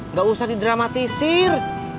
gak usah didramatisir